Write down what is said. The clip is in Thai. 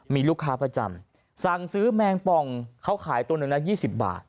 มีลูกค้าประจำสั่งซื้อแมงปองเขาขายตัวหนึ่งละ๒๐บาท